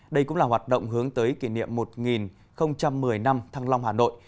đây cũng là hoạt động hướng tới kỷ niệm một nghìn một mươi năm thăng long hà nội